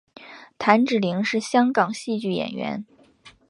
谭芷翎是香港戏剧演员。